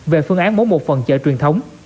về phương án mỗi một phần chợ truyền thống